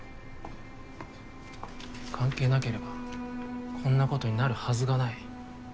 関係なければこんなことになるはずがない。